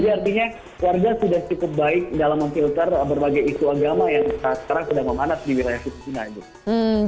jadi artinya warga sudah cukup baik dalam memfilter berbagai isu agama yang sekarang sudah memanas di wilayah filipina